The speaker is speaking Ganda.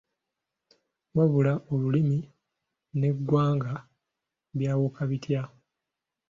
Wabula Olulimi n’eggwanga byawuka bitya